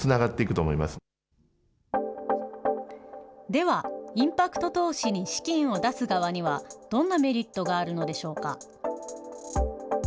では、インパクト投資に資金を出す側には、どんなメリットがあるのでしょうか。